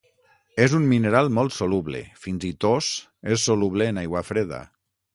És un mineral molt soluble; fins i tos és soluble en aigua freda.